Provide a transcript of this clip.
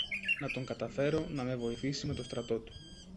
να τον καταφέρω να με βοηθήσει με το στρατό του